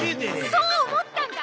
そう思ったんだ！